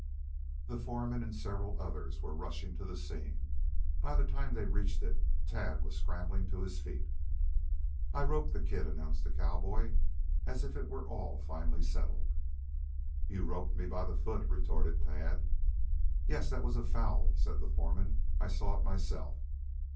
The foreman and several others were rushing to the scene. By the time they reached it, Tad was scrambling to his feet. "I roped the kid," announced the cowboy, as if it were all finally settled. "You roped me by the foot," retorted Tad. "Yes, that was a foul," said the foreman. "I saw it myself.